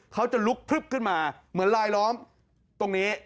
เขาจะลุกพลึบขึ้นมาเหมือนลายล้อมตรงนี้